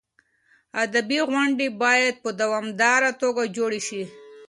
ادبي غونډې باید په دوامداره توګه جوړې شي.